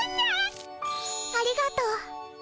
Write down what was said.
ありがとう。